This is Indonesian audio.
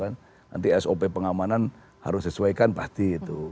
nanti sop pengamanan harus sesuaikan pasti itu